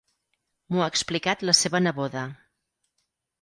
M'ho ha explicat la seva neboda.